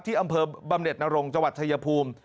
ที่อำเภอบำเน็ตนรงจวัตรทะยภูมิ